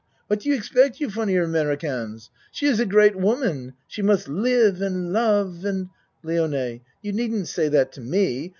What do you expect you funny Americans. She is a great woman she must live and love and LIONE You needn't say that to me.